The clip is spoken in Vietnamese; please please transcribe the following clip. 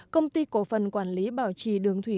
công ty cổ phần quản lý bảo trì đường thủy